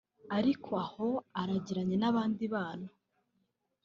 Ariko aho aragiranye n’abandi bana